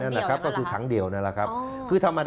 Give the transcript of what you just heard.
นั่นแหละครับก็คือขังเดี่ยวนั่นแหละครับ